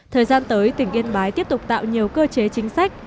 thời gian tới tỉnh yên bái tiếp tục tạo nhiều cơ chế chính sách